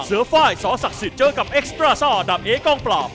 เสื้อฟ้ายสอศักดิ์สิทธิ์เจอกับเอ็กซ์ตราซ่าดำเอ๊กล้องปลาบ